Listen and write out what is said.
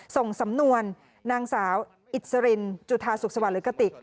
ส่งสำนวนนางสาวอิสรินจุธาสุขสวัสดิ์หรือกระติก